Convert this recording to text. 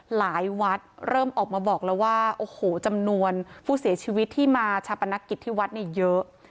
หลายวัดเริ่มออกมาบอกแล้วว่าโอ้โหจำนวนผู้เสียชีวิตที่มาชาปนกิจที่วัดเนี่ยเยอะ